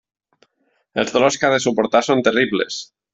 Els dolors que ha de suportar són terribles.